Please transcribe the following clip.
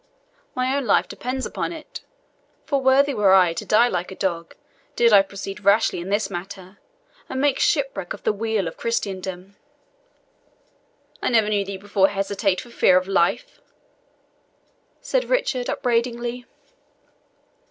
"My own life depends upon it, for worthy were I to die like a dog did I proceed rashly in this matter, and make shipwreck of the weal of Christendom." "I never knew thee before hesitate for fear of life," said Richard upbraidingly.